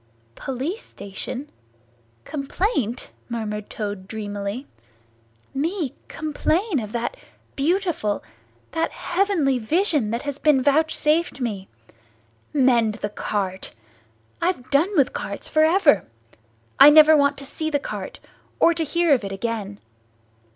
"Police station! Complaint!" murmured Toad dreamily. "Me complain of that beautiful, that heavenly vision that has been vouchsafed me! Mend the cart! I've done with carts for ever. I never want to see the cart, or to hear of it, again.